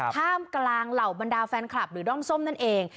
ท่ามกลางเหล่าบรรดาแฟนคลับหรือด้อมส้มนั่นเอง